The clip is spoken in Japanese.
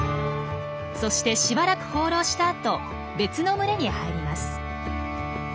そしてしばらく放浪したあと別の群れに入ります。